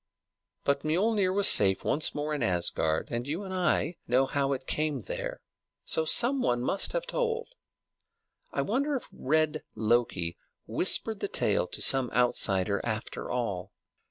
But Miölnir was safe once more in Asgard, and you and I know how it came there; so some one must have told. I wonder if red Loki whispered the tale to some outsider, after all?